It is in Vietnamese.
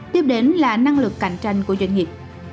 tiếp đến là năng lực cạnh tranh của doanh nghiệp